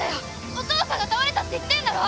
お父さんが倒れたって言ってんだろ！